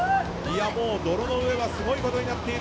泥の上はすごいことになっている。